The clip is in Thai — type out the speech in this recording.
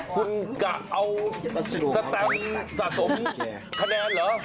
คุณกะเอาสแตมสะสมคะแนนเหรอ